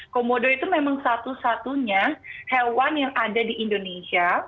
komodo itu memang satu satunya hewan yang ada di indonesia